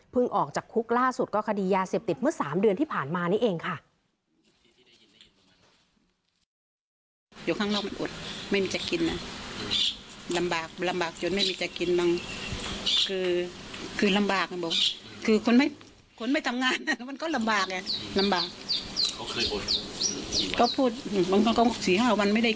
ออกจากคุกล่าสุดก็คดียาเสพติดเมื่อ๓เดือนที่ผ่านมานี่เองค่ะ